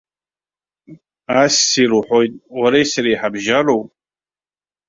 Ассир уҳәоит, уареи сареи ҳабжьароу?